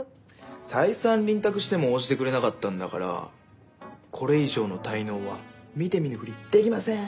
再三臨宅しても応じてくれなかったんだからこれ以上の滞納は見て見ぬふりできません！